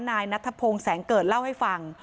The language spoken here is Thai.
นายนัทพงศ์แสงเกิดเล่าให้ฟัง